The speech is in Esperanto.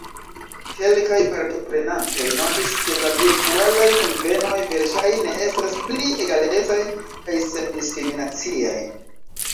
Kelkaj partoprenantoj notis, ke la virtualaj kunvenoj verŝajne estas pli egalecaj kaj sen-diskriminaciaj.